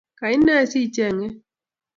Kaine sichengee?